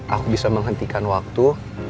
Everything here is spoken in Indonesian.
aku bisa menghentikan waktu